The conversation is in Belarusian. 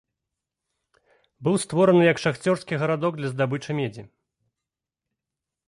Быў створаны як шахцёрскі гарадок для здабычы медзі.